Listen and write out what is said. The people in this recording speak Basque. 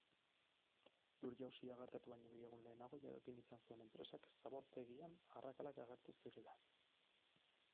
Lur-jausia gertatu baino bi egun lehenago jakin zuen enpresak zabortegian arrakalak agertu zirela.